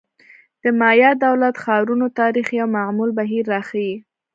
د مایا دولت-ښارونو تاریخ یو معمول بهیر راښيي.